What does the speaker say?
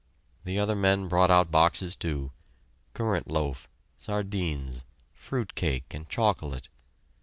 The other men brought out boxes, too, currant loaf, sardines, fruit cake, and chocolate.